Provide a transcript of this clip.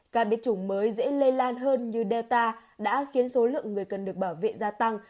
ca biết chủng mới dễ lây lan hơn như delta đã khiến số lượng người cần được bảo vệ gia tăng